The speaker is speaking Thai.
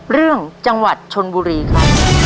เรื่องจังหวัดชนบุรีครับ